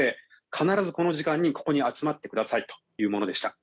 必ず、この時間にここに集まってくださいというものでした。